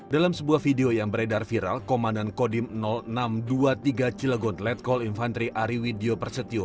dalam sebuah video yang beredar viral komandan kodim enam ratus dua puluh tiga cilegon letkol infantri ariwidyo prasetyo